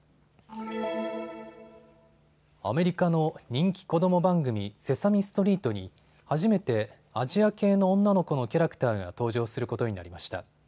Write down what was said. アメリカの人気子ども番組、セサミストリートに初めてアジア系の女の子のキャラクターが登場することになりました。